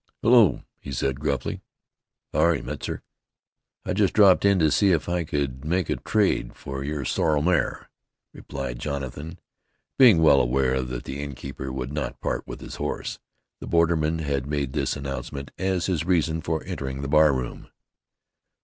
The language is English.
"Hullo," he said gruffly. "H' are you, Metzar. I just dropped in to see if I could make a trade for your sorrel mare," replied Jonathan. Being well aware that the innkeeper would not part with his horse, the borderman had made this announcement as his reason for entering the bar room.